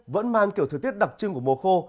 vẫn mang kiểu thời tiết đặc trưng của mùa khô